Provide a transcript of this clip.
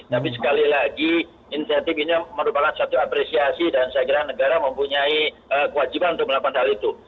tapi sekali lagi insentif ini merupakan satu apresiasi dan saya kira negara mempunyai kewajiban untuk melakukan hal itu